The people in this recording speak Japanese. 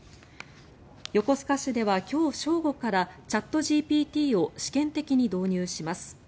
横須賀市では今日正午からチャットＧＰＴを試験的に導入します。